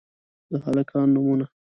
د هلکانو نومونه: